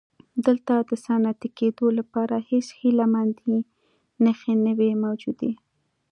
دلته د صنعتي کېدو لپاره هېڅ هیله مندۍ نښې نه وې موجودې.